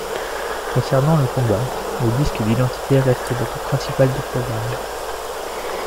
Concernant le combat, le disque d'identité reste l'atout principale du programme.